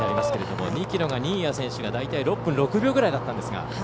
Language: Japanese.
２ｋｍが新谷選手が６分６秒ぐらいだったんですが。